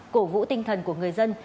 cổ vũ tinh thần của người dân